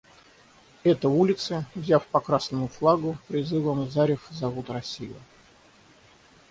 Это улицы, взяв по красному флагу, призывом зарев зовут Россию.